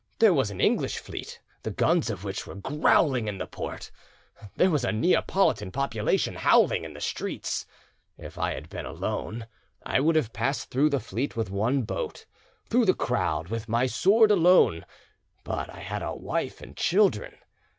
There was an English fleet, the guns of which were growling in the port, there was a Neapolitan population howling in the streets. If I had been alone, I would have passed through the fleet with one boat, through the crowd with my sword alone, but I had a wife and children.